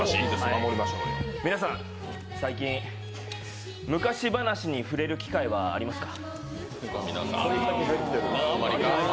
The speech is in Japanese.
皆さん、最近、昔話に触れる機会はありますか。